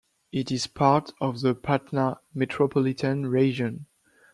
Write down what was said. It is part of the Patna Metropolitan Region.